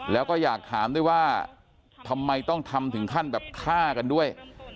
แล้วก็อยากถามด้วยว่าทำไมต้องทำถึงขั้นแบบฆ่ากันด้วย